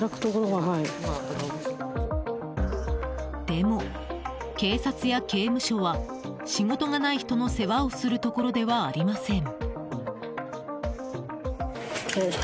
でも、警察や刑務所は仕事がない人の世話をするところではありません。